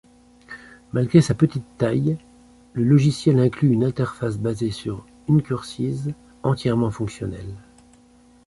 Malgré sa petite taille, le logiciel inclut une interface basée sur ncurses entièrement fonctionnelle.